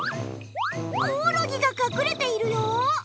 コオロギが隠れているよ。